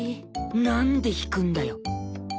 なんで引くんだよ！